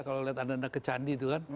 kalau lihat anda anda kecandi itu kan